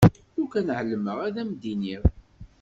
Lukan εelmeɣ ad m-d-iniɣ.